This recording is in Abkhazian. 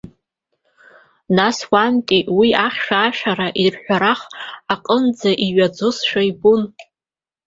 Нас уантәи уи ахьшәашәара ирҳәарах аҟынӡа иҩаӡошәа ибон.